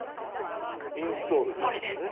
「インストール」でいいんですね。